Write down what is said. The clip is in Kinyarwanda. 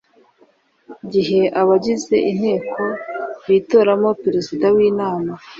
Gihe abagize inteko bitoramo perezida w inama